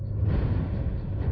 nanti aku akan datang